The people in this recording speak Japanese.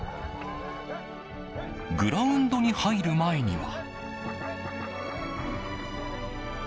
グラウンドに入る前には。